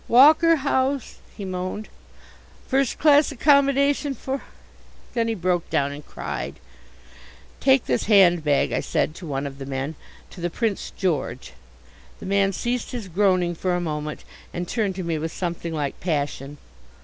"Walker House," he moaned. "First class accommodation for " then he broke down and cried. "Take this handbag," I said to one of the men, "to the Prince George." The man ceased his groaning for a moment and turned to me with something like passion.